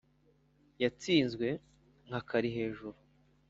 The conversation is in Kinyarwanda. yatsinzwe nka karihejuru.